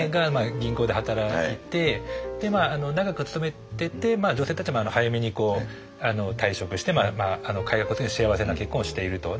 銀行で働いて長く勤めてて女性たちも早めに退職してかようなことに幸せな結婚をしていると。